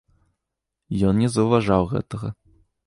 Ён не заўважаў гэтага.